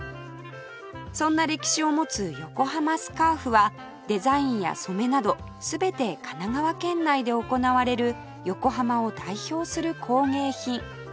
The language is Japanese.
そんな歴史を持つ横浜スカーフはデザインや染めなど全て神奈川県内で行われる横浜を代表する工芸品